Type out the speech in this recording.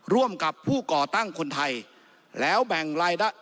ร่วมกับผู้ก่อตั้งคนไทย